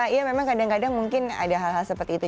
iya memang kadang kadang mungkin ada hal hal seperti itu